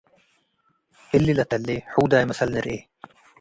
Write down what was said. እሊ ለተሌ ሑዳይ መሰል ንርኤ ።